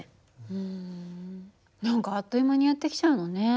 うん何かあっという間にやって来ちゃうのね。